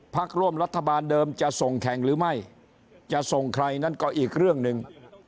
พักร่วมรัฐบาลเดิมจะส่งแข่งหรือไม่จะส่งใครนั้นก็อีกเรื่องหนึ่ง